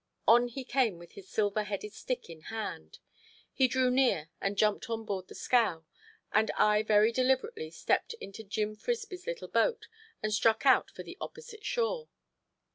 On he came with his silver headed stick in hand. He drew near and jumped on board the scow, and I very deliberately stepped into Jim Frisby's little boat and struck out for the opposite shore.